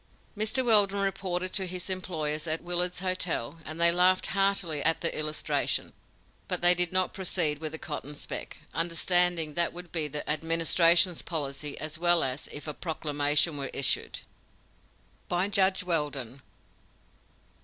Mr. Weldon reported to his employers, at Willard's Hotel, and they laughed heartily at the illustration, but they did not proceed with the cotton speck, understanding what would be the Administration's policy as well as if a proclamation were issued. (By Judge Weldon.)